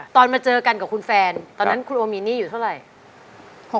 มาเจอกันกับคุณแฟนตอนนั้นคุณโอมีหนี้อยู่เท่าไหร่